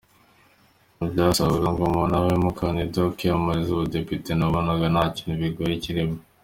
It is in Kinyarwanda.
Mu byasabwaga ngo umuntu abe umukandida wo kwiyamamariza ubudepite nabonaga nta kintu kigoye kirimo.